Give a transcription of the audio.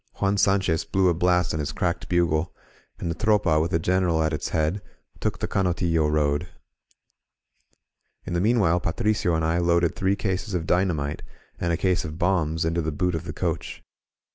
Juan Sanchez blew a blast on his cracked bugle, and the Tropa, with the Gkneral at its head, took the Canotillo road. In the meanwhile Patricio and I loaded three cases of dynamite and a case of bombs into the boot of the coach.